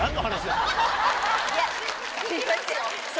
いやすいません。